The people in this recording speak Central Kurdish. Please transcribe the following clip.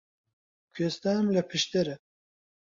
کوێستانم لە پشدەرە